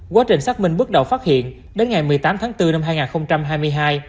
quá trình xác minh bước đầu phát hiện đến ngày một mươi tám tháng bốn năm hai nghìn hai mươi hai